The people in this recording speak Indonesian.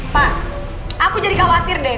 pak aku jadi khawatir deh